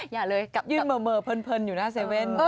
อย่าเลยกลับกลับยืนเมอร์เผินอยู่หน้าเซเว่น